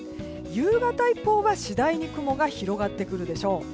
夕方以降は次第に雲が広がってくるでしょう。